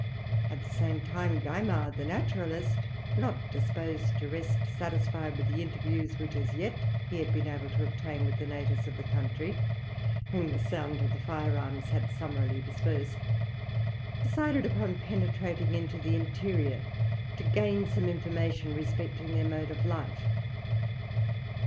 At the same time Gaimard, the naturalist, not disposed to rest satisfied with the interviews which as yet he had been able to obtain with the natives of the country, whom the sound of the fire arms had summarily dispersed, decided upon penetrating into the interior, to gain some information respecting their mode of life.